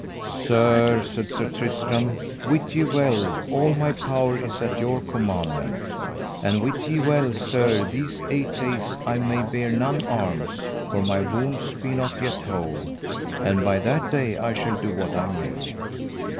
Sir, said Sir Tristram, wit ye well all my power is at your commandment. And wit ye well, sir, these eight days I may bear none arms, for my wounds be not yet whole. And by that day I shall do what I may.